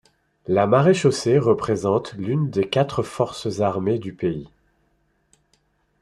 La maréchaussée représente l'une des quatre forces armées du pays.